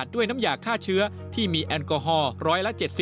ด้วยน้ำยาฆ่าเชื้อที่มีแอลกอฮอล๑๗๐